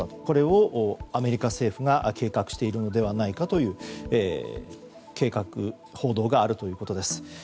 これをアメリカ政府が計画しているのではないかという報道があるということです。